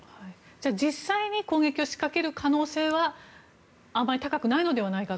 じゃあ実際に攻撃を仕掛ける可能性はあまり高くないのではないかと。